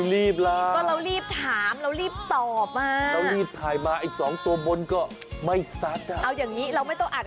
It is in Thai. เรารีบเรารีบ